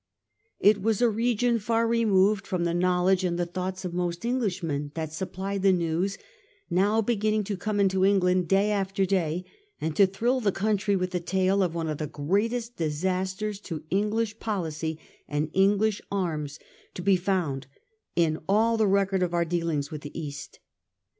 It was a region far removed from the know ledge and the thoughts of most Englis hm en that supplied the news now beginning to come into Eng land day after day, and to thrill the country with the tale of one of the greatest disasters to English policy and English arms to be found in all the record of our dealings with the East.